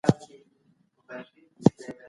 اقلیتونو لکه نورستانيانو، ایماقانو، بلوڅانو، عربانو،